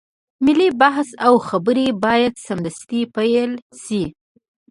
ملي بحث او خبرې بايد سمدستي پيل شي.